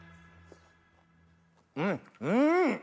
うんうん！